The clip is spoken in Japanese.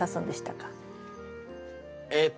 えっと。